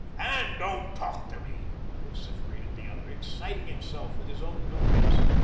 "And don't TALK to me," vociferated the other, exciting himself with his own noise.